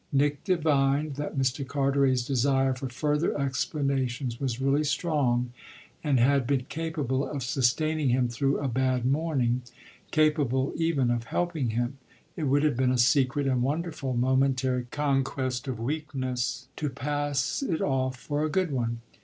Nick divined that Mr. Carteret's desire for further explanations was really strong and had been capable of sustaining him through a bad morning, capable even of helping him it would have been a secret and wonderful momentary conquest of weakness to pass it off for a good one.